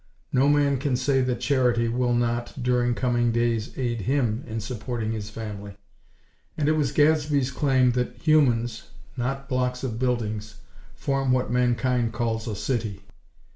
No man can say that Charity will not, during coming days, aid him in supporting his family; and it was Gadsby's claim that humans: not blocks of buildings, form what Mankind calls a city.